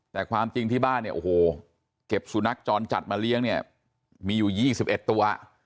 แต่ความจริงที่บ้านเนี่ยโอ้โหเก็บสุนัขจรจัดมาเลี้ยงเนี่ยมีอยู่๒๑ตัว